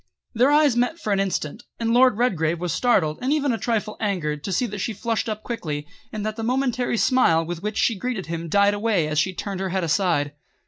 Their eyes met for an instant, and Lord Redgrave was startled and even a trifle angered to see that she flushed up quickly, and that the momentary smile with which she greeted him died away as she turned her head aside.